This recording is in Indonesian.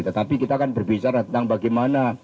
tetapi kita akan berbicara tentang bagaimana